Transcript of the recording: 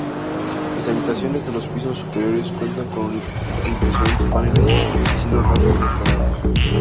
Las habitaciones de los pisos superiores cuentan con impresionantes paneles y cielos rasos decorados.